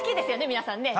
皆さんね。